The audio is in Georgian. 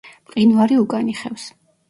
მყინვარი უკან იხევს.